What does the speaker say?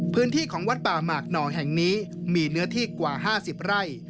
พื้นที่ของวัดป่าหมากหน่อแห่งนี้มีเนื้อที่กว่า๕๐ไร่